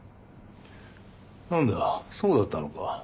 何だそうだったのか。